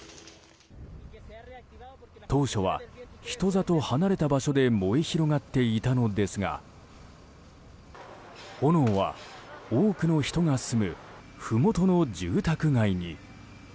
当初は人里離れた場所で燃え広がっていたのですが炎は、多くの人が住むふもとの住宅街に。